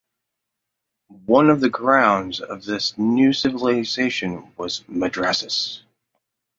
One of the grounds of this new civilization was madrasas.